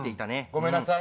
ごめんなさい。